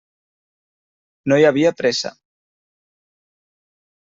No hi havia pressa.